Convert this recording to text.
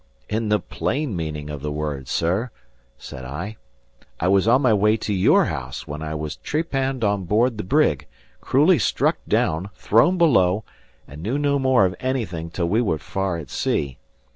"In the plain meaning of the word, sir," said I. "I was on my way to your house, when I was trepanned on board the brig, cruelly struck down, thrown below, and knew no more of anything till we were far at sea.